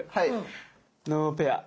ノーペア！